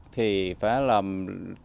thì phải là mạnh hơn